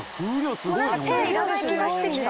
もう手いらない気がしてきた。